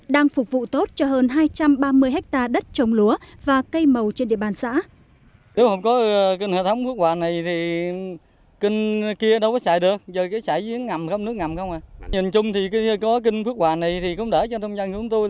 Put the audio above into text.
đang phục vụ tốt cho hơn hai trăm ba mươi hectare đất trồng lúa và cây màu trên địa bàn xã